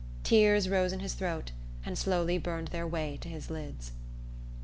Tears rose in his throat and slowly burned their way to his lids.